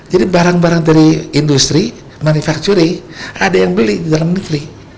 jadi barang barang dari industri manufacturing ada yang beli di dalam negeri